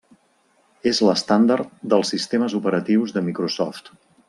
És l'estàndard dels sistemes operatius de Microsoft.